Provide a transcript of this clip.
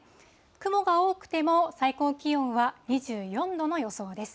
雲が多くても、最高気温は２４度の予想です。